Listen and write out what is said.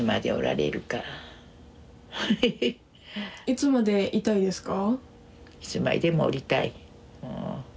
いつまでいたいですか？